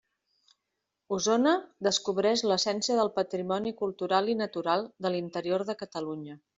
Osona, descobreix l'essència del patrimoni cultural i natural de l'interior de Catalunya.